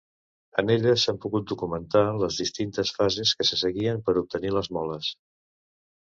En ella s'han pogut documentar les distintes fases que se seguien per obtenir les moles.